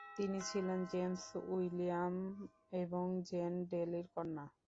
তিনি ছিলেন James William এবং জেন ডেলির কন্যা।